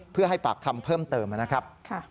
เพื่อให้ปากคำเพิ่มเติมนะครับ